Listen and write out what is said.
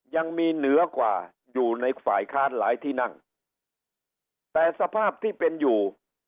เหนือกว่าอยู่ในฝ่ายค้านหลายที่นั่งแต่สภาพที่เป็นอยู่